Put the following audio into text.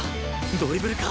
ドリブルか？